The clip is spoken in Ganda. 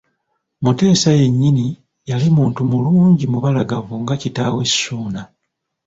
Mutesa yennyini yali muntu mulungi mubalagavu nga kitaawe Ssuuna.